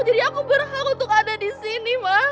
jadi aku berhak untuk ada di sini ma